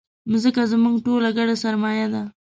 مځکه زموږ ټولو ګډه سرمایه ده.